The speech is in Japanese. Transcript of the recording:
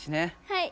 はい。